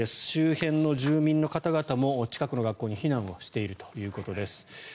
周辺の住民の方々も近くの中学校に避難をしているということです。